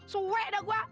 suek dah gue